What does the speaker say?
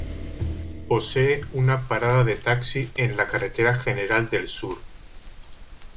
Posee una parada de taxi en la Carretera General del Sur.